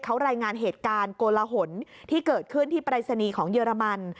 เขารายงานเหตุการณ์โกลหนที่เกิดขึ้นที่ปรายศนีย์ของเยอรมัน